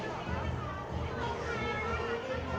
ให้เจ้าหนู